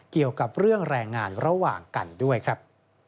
เกี่ยวกับเรื่องแรงงานระหว่างกันด้วยครับ